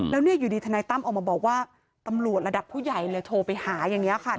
แล้วเนี่ยอยู่ดีทนายตั้มออกมาบอกว่าตำรวจระดับผู้ใหญ่เลยโทรไปหาอย่างนี้ค่ะ